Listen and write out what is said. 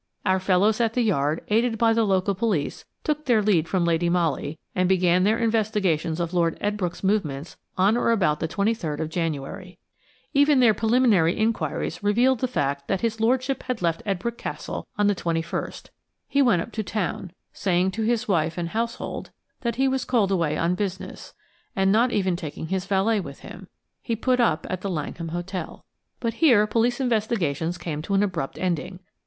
Our fellows at the Yard, aided by the local police, took their lead from Lady Molly, and began their investigations of Lord Edbrooke's movements on or about the 23rd of January. Even their preliminary inquiries revealed the fact that his lordship had left Edbrooke Castle on the 21st. He went up to town, saying to his wife and household that he was called away on business, and not even taking his valet with him. He put up at the Langham Hotel. But here police investigations came to an abrupt ending.